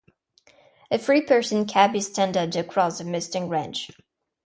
A three-person cab is standard across the Mustang range.